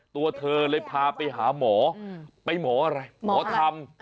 ตัวเธอเลยพาไปหาหมอไปหมออะไรหมอทำ